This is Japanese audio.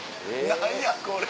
何やこれ。